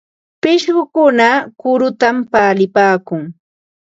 Pishqukuna kurutam palipaakun.